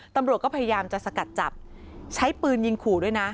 ตำรวจก็พยายามจะสกัดจับใช้ปืนยิงขู่ด้วยนะ